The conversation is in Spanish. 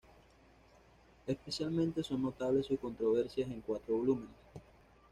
Especialmente son notables sus "Controversias" en cuatro volúmenes.